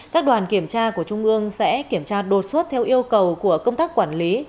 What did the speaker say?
các đoàn kiểm tra của trung ương sẽ kiểm tra đột xuất theo yêu cầu của công tác quản lý